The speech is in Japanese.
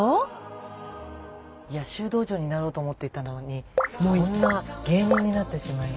いや修道女になろうと思っていたのにもうこんな芸人になってしまいました。